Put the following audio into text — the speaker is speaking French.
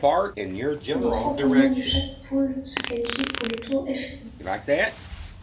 Les trois premiers de chaque poules se qualifient pour le Tour Elite.